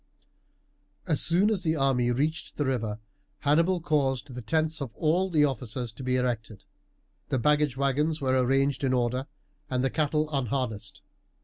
As soon as the army reached the river Hannibal caused the tents of all the officers to be erected. The baggage wagons were arranged in order, and the cattle unharnessed.